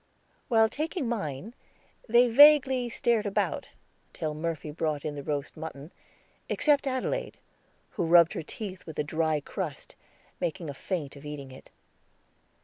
While taking mine, they vaguely stared about till Murphy brought in the roast mutton, except Adelaide, who rubbed her teeth with a dry crust, making a feint of eating it.